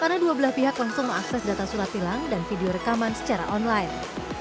karena dua belah pihak langsung mengakses data surat tilang dan video rekaman secara online